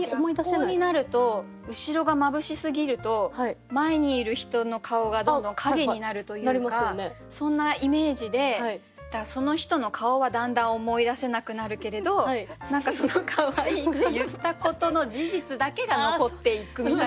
逆光になると後ろがまぶしすぎると前にいる人の顔がどんどんかげになるというかそんなイメージでその人の顔はだんだん思い出せなくなるけれど何かその「可愛い」って言ったことの事実だけが残っていくみたいな。